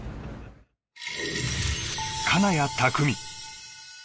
金谷拓実。